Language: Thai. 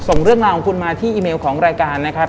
ส่งเรื่องราวของคุณมาที่อีเมลของรายการนะครับ